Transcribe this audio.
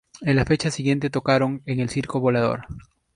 En la fecha siguiente tocaron en el Circo Volador.